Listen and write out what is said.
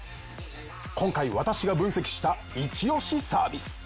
今回私が分析したイチ押しサービス。